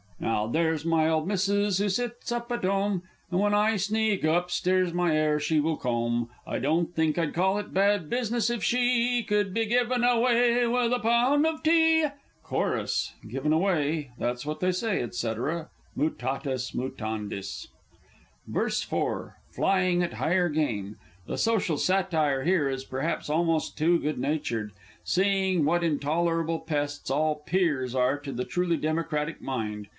_) Now, there's my old Missus who sits up at 'ome And when I sneak up stairs my 'air she will comb, I don't think I'd call it bad business if she Could be given away with a Pound of Tea! Chorus "Given away!" That's what they say, &c. [Mutatis mutandis. VERSE IV. (_Flying at higher game. The social satire here is perhaps almost too good natured, seeing what intolerable pests all Peers are to the truly Democratic mind.